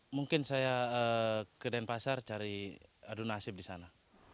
mungkin saya ke denpasar cari adunasib di sana